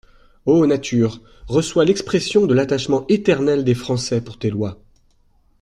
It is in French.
O Nature, reçois l'expression de l'attachement éternel des Français pour tes lois.